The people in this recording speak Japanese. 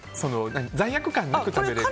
罪悪感なく食べられる。